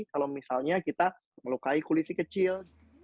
kalau misalnya kita melukai kulit si kecil